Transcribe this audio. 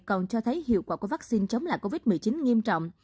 còn cho thấy hiệu quả của vaccine chống lại covid một mươi chín nghiêm trọng